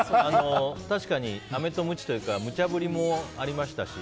確かにアメとムチというかむちゃ振りもありましたし。